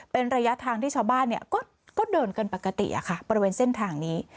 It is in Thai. เป็นระยะทางที่ชาวบ้านก็เดินกันปกติบริเวณเส้นทางนี้